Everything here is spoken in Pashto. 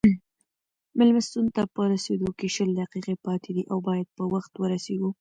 مېلمستون ته په رسېدو کې شل دقیقې پاتې دي او باید په وخت ورسېږو.